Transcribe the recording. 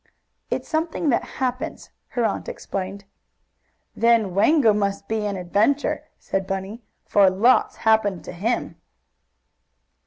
"It's something that happens," her aunt explained. "Then Wango must be an adventure," said Bunny, "for lots happened to him."